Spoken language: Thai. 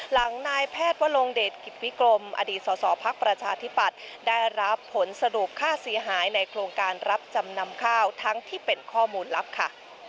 นายแพทย์วลงเดชกิจวิกรมอดีตสสพักประชาธิปัตย์ได้รับผลสรุปค่าเสียหายในโครงการรับจำนำข้าวทั้งที่เป็นข้อมูลลับค่ะ